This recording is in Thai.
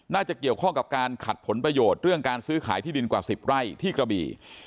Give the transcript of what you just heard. น่าจะเกี่ยวข้องกับการขัดผลประโยชน์เรื่องการซื้อขายที่ดินกว่า๑๐ไร่ที่กระบี่